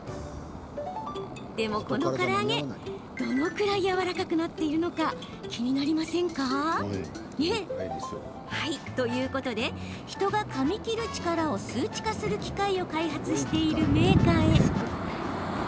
でも、このから揚げどのくらい、やわらかくなっているのか気になりませんか？ということで、人がかみ切る力を数値化する機械を開発しているメーカーへ。